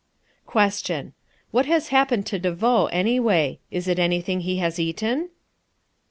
Question. What has happened to De Vaux anyway? Is it anything he has eaten?